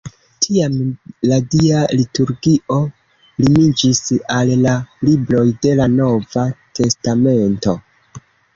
Tiam la Dia liturgio limiĝis al la libroj de la Nova Testamento.